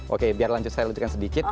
oke biar lanjut saya lanjutkan sedikit